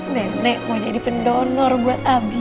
nenek mau jadi pendonor buat abi